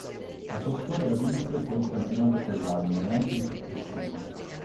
La sua squadra vinse poi il campionato quell'anno e anche il successivo.